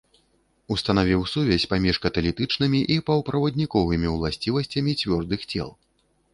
Устанавіў сувязь паміж каталітычнымі і паўправадніковымі ўласцівасцямі цвёрдых цел.